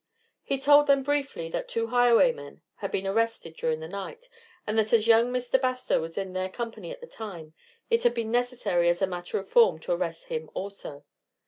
He told them briefly that two highwaymen had been arrested during the night, and that as young Mr. Bastow was in their company at the time, it had been necessary as a matter of form to arrest him also.